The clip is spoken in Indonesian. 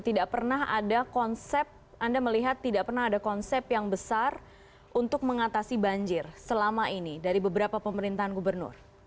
tidak pernah ada konsep anda melihat tidak pernah ada konsep yang besar untuk mengatasi banjir selama ini dari beberapa pemerintahan gubernur